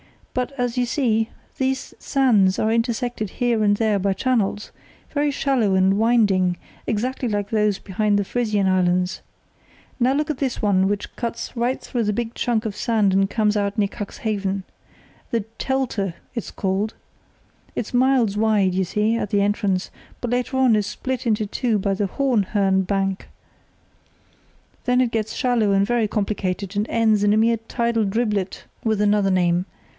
But, as you see, these sands are intersected here and there by channels, very shallow and winding, exactly like those behind the Frisian Islands. Now look at this one, which cuts right through the big chunk of sand and comes out near Cuxhaven. The Telte [See Chart A] it's called. It's miles wide, you see, at the entrance, but later on it is split into two by the Hohenhörn bank: then it gets shallow and very complicated, and ends in a mere tidal driblet with another name.